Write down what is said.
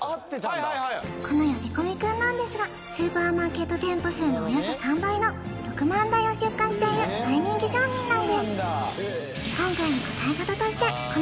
はいはいはいこの呼び込み君なんですがスーパーマーケット店舗数のおよそ３倍の６万台を出荷している大人気商品なんです